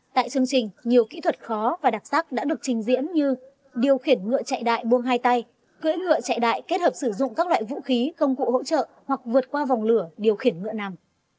tại chương trình nhiều kỹ thuật khó và đặc sắc đã được trình diễn như điều khiển ngựa chạy đại buông hai tay cưỡi ngựa chạy đại kết hợp sử dụng các loại vũ khí công cụ hỗ trợ hoặc vượt qua vòng lửa điều khiển ngựa nằm